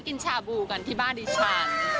ชาบูกันที่บ้านดิฉัน